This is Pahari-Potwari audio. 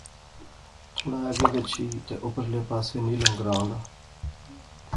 تھوڑا اگے گچھی تہ اپرلے پاسے نیلم گراں دا